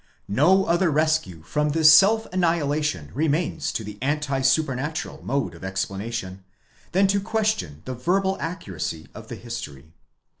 No other rescue from this self annihilation remains to the anti supernaturat mode of explanation, than to question the verbal accuracy of the history.